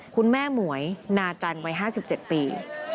คุณแม่หมวยนาจันวัยห้าสิบเจ็ดปี